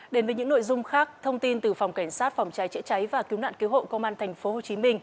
đến với những nội dung khác thông tin từ phòng cảnh sát phòng cháy chữa cháy và cứu nạn cứu hộ công an tp hcm